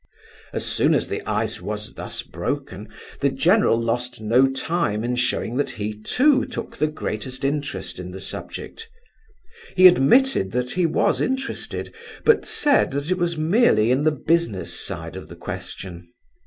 As soon as the ice was thus broken, the general lost no time in showing that he, too, took the greatest interest in the subject. He admitted that he was interested, but said that it was merely in the business side of the question.